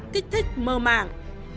kích thích mờ màng